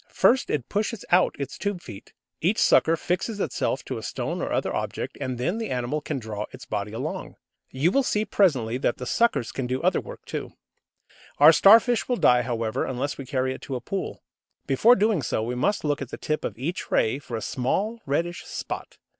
First, it pushes out its tube feet. Each sucker fixes itself to a stone or other object, and then the animal can draw its body along. You will see presently that the suckers can do other work too. Our Starfish will die, however, unless we carry it to a pool. Before doing so, we must look at the tip of each ray for a small reddish spot.